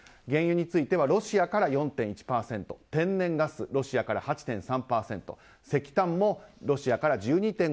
原油についてはロシアから４．１％天然ガス、ロシアから８．３％石炭もロシアから１２．５％